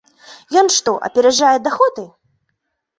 Ён што, апераджае даходы?